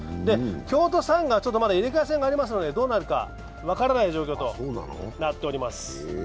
京都サンガは入れ替え戦がありますのでどうなるか分からない状況となっております。